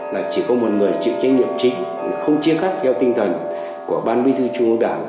là chỉ có một người chịu trách nhiệm trị không chia cắt theo tinh thần của ban bí thư trung quốc đảng